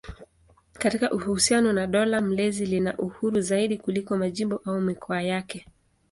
Katika uhusiano na dola mlezi lina uhuru zaidi kuliko majimbo au mikoa yake.